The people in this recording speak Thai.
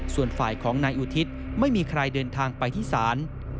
ส่วนฝ่ายของนายอุทิศไม่มีใครเดินทางไปที่ศาล